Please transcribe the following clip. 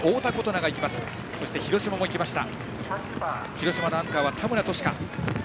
広島のアンカーは田村紀薫。